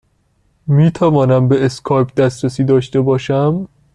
می توانم به اسکایپ دسترسی داشته باشم؟